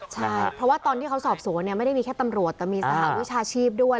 ใช่เพราะว่าตอนที่เขาสอบสวนไม่ได้มีแค่ตำรวจแต่มีสหวิชาชีพด้วย